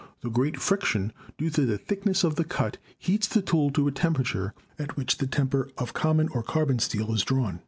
The great friction, due to the thickness of the cut, heats the tool to a temperature at which the temper of common or "carbon" steel is drawn.